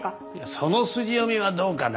その筋読みはどうかな。